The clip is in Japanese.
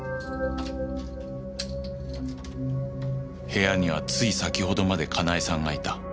部屋にはつい先ほどまで香奈恵さんがいた。